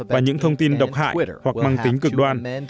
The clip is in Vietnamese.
và những thông tin độc hại hoặc mang tính cực đoan